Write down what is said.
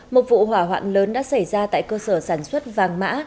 một vụ hỏa hoạn lớn đã xảy ra tại cơ sở sản xuất vàng mã